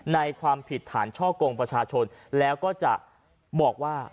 ความผิดฐานช่อกงประชาชนแล้วก็จะบอกว่า